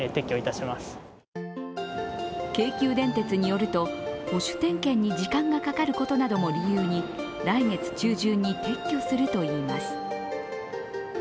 しかし京急電鉄によると、保守点検に時間がかかることなども理由に来月中旬に撤去するといいます。